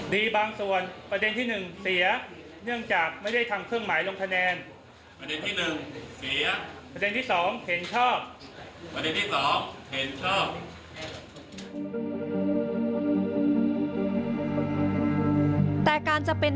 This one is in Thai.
แต่การจะเป็นบัตรดีเท่านั้น